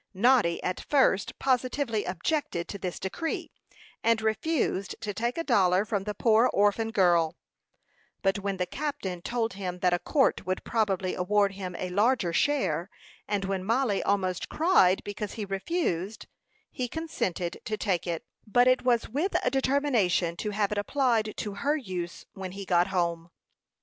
Noddy at first positively objected to this decree, and refused to take a dollar from the poor orphan girl; but when the captain told him that a court would probably award him a larger share, and when Mollie almost cried because he refused, he consented to take it; but it was with a determination to have it applied to her use when he got home.